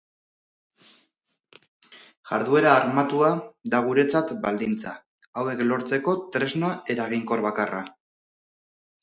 Jarduera armatua da guretzat baldintza hauek lortzeko tresna eraginkor bakarra.